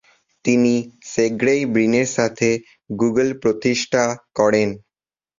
তিনি Sergey Brin এর সাথে গুগল প্রতিষ্ঠা করেন।